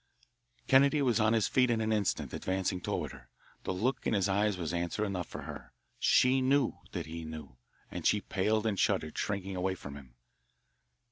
Kennedy was on his feet in an instant, advancing toward her. The look in his eyes was answer enough for her. She knew that he knew, and she paled and shuddered, shrinking away from him.